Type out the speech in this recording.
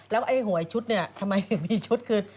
แล้วไอ้หวยชุดเนี่ยทำไมถึงมีชุดคือ